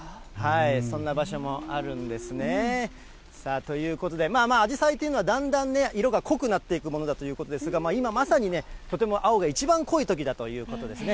そんな場所もあるんですね。ということで、まあまあ、あじさいというのはだんだんね、色が濃くなっていくものだということですが、今まさにね、とても青が一番濃いときだということですね。